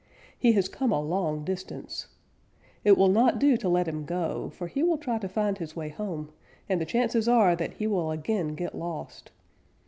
He has come a long distance. It will not do to let him go, for he will try to find his way home and the chances are that he will again get lost.